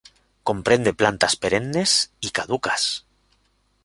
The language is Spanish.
Comprende plantas perennes y caducas.